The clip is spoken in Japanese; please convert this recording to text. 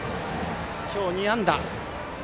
今日２安打。